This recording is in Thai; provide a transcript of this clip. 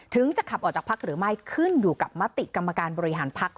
จะขับออกจากพักหรือไม่ขึ้นอยู่กับมติกรรมการบริหารพัก